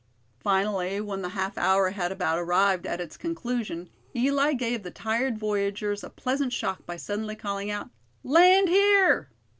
Finally, when the half hour had about arrived at its conclusion, Eli gave the tired voyagers a pleasant shock by suddenly calling out: "Land here!"